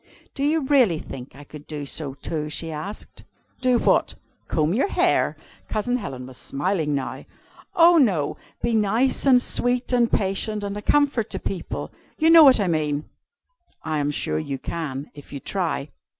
"Do you really think I could do so too?" she asked. "Do what? Comb your hair?" Cousin Helen was smiling now. "Oh no! Be nice and sweet and patient, and a comfort to people. You know what I mean." "I am sure you can, if you try."